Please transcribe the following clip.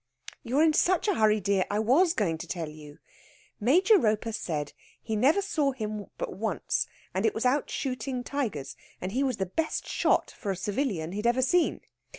"You're in such a hurry, dear. I was going to tell you. Major Roper said he never saw him but once, and it was out shooting tigers, and he was the best shot for a civilian he'd ever seen.